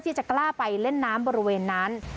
ที่จะกล้าไปเล่นน้ำบริเวณนั้น